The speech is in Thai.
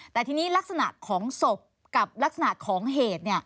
แต่ทีนี้ลักษณะของศพกับลักษณะของเหตุ